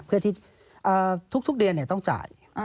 เพื่อที่ทุกเดือนต้องจ่าย